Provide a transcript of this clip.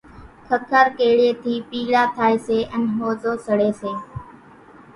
ککر ڪيڙيئيَ ٿِي پيڙا ٿائيَ سي انين ۿوزو سڙيَ سي۔